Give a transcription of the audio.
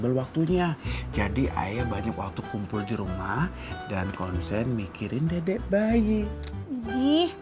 belum waktunya jadi ayah banyak waktu kumpul di rumah dan konsen mikirin dedek bayi